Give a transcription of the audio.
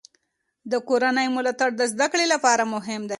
د کورنۍ ملاتړ د زده کړې لپاره مهم دی.